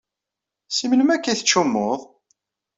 Si melmi akka i tettcummuḍ?